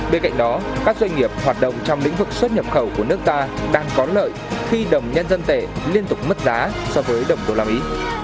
bên cạnh đó các doanh nghiệp hoạt động trong lĩnh vực xuất nhập khẩu của nước ta đang có lợi khi đồng nhân dân tệ liên tục mất giá so với đồng đô la mỹ